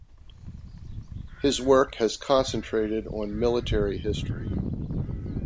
His work has concentrated on military history.